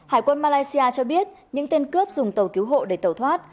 hải quân malaysia cho biết những tên cướp dùng tàu cứu hộ để tẩu thoát